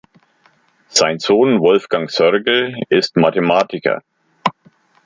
Sein Sohn Wolfgang Soergel ist Mathematiker.